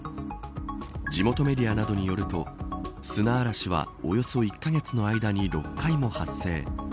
地元メディアなどによると砂嵐は、およそ１カ月の間に６回も発生。